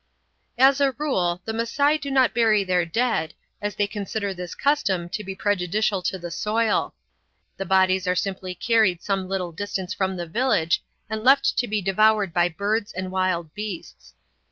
As a rule, the Masai do not bury their dead, as they consider this custom to be prejudicial to the soil; the bodies are simply carried some little distance from the village and left to be devoured by birds and wild beasts.